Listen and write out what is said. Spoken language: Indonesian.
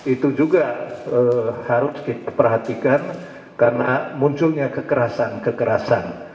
itu juga harus diperhatikan karena munculnya kekerasan kekerasan